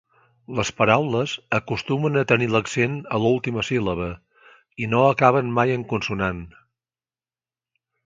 Les paraules acostumen a tenir l'accent a l'última síl·laba i no acaben mai en consonant.